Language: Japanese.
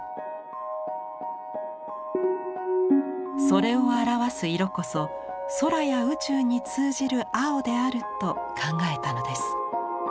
それを表す色こそ空や宇宙に通じる青であると考えたのです。